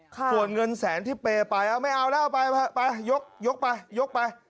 ฝวนเงินแสนที่เปยไปเอาไม่เอาแล้วไปยกไป